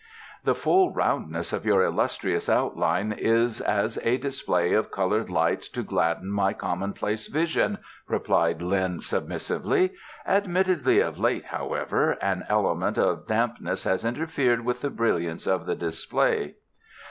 "The full roundness of your illustrious outline is as a display of coloured lights to gladden my commonplace vision," replied Lin submissively. "Admittedly of late, however, an element of dampness has interfered with the brilliance of the display."